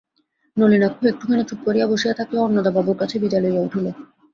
নলিনাক্ষ একটুখানি চুপ করিয়া বসিয়া থাকিয়া অন্নদাবাবুর কাছে বিদায় লইয়া উঠিল।